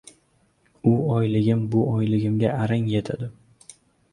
U oyligim bu oyligimga arang yetadi.